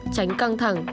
tránh căng thẳng